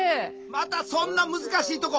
またそんな難しいとこ。